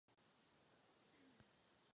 Tento názor podporuji.